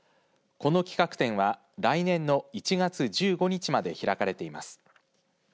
この企画展は来年の１月１５日まで開かれています。